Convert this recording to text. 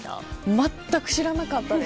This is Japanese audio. まったく知らなかったです。